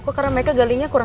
gak ada hubungannya